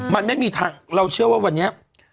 มันไม่มีทางเราเชื่อว่าวันนี้